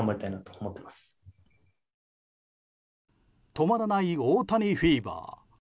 止まらない大谷フィーバー。